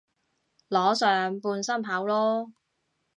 裸上半身跑囉